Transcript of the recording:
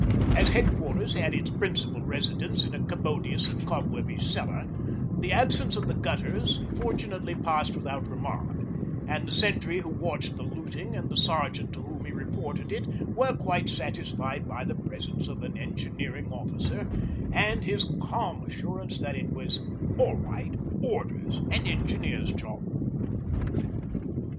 As Headquarters had its principal residence in a commodious and cobwebby cellar, the absence of the gutters fortunately passed without remark, and the sentry who watched the looting and the sergeant to whom he reported it were quite satisfied by the presence of an Engineer officer and his calm assurance that it was 'all right orders an Engineers' job.'